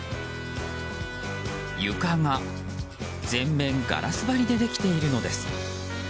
床が、全面ガラス張りでできているのです。